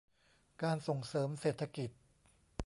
การส่งเสริมเศรษฐกิจ